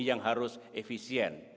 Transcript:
yang harus efisien